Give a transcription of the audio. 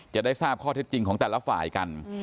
จะได้ทราบข้อเท็จจริงของแต่ละฝ่ายกัน